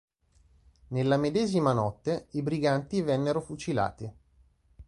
Nella medesima notte, i briganti vennero fucilati.